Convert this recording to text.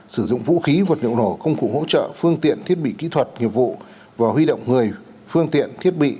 sử dụng vũ khí vật liệu nổ công cụ hỗ trợ phương tiện thiết bị kỹ thuật nghiệp vụ và huy động người phương tiện thiết bị